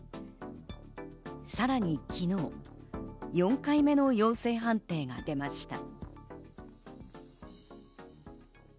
さらに昨日、４回目の陽性判定が出ました。